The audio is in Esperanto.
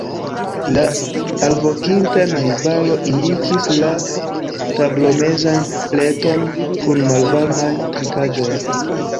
La alvokinta najbaro indikis la tablomezan pleton kun malvarmaj trinkaĵoj.